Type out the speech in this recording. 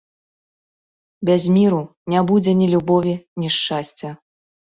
Без міру не будзе ні любові, ні шчасця.